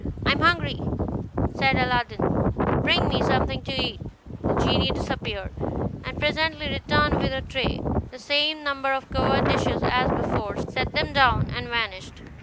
"I am hungry," said Aladdin; "bring me something to eat." The genie disappeared, and presently returned with a tray, the same number of covered dishes as before, set them down, and vanished.